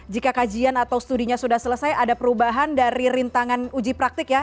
jika kajian atau studinya sudah selesai ada perubahan dari rintangan uji praktik ya